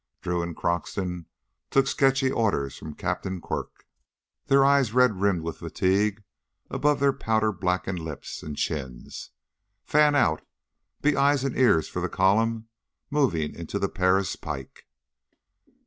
Drew and Croxton took sketchy orders from Captain Quirk, their eyes red rimmed with fatigue above their powder blackened lips and chins. Fan out, be eyes and ears for the column moving into the Paris pike.